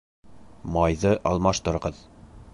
Майҙы алмаштырығыҙ